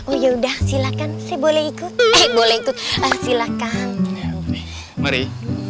oh ya udah silakan saya boleh ikut boleh ikut silakan mari